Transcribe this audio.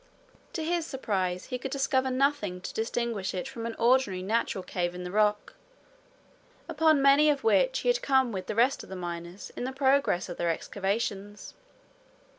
To his surprise, he could discover nothing to distinguish it from an ordinary natural cave in the rock, upon many of which he had come with the rest of the miners in the progress of their excavations.